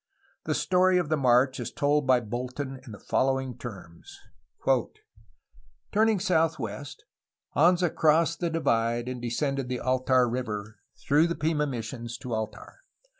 The story of the march is told by Bolton in the following terms : "Turning southwest, Anza crossed the divide and descended the Altar River, through the Pima missions to Altar.